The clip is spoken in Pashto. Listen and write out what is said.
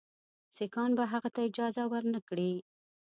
سیکهان به هغه ته اجازه ورنه کړي.